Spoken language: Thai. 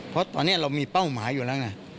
เพราะตอนนี้เรามีเป้าหมายอยู่แล้วไง